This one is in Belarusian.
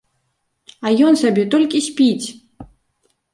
А ён сабе толькі спіць!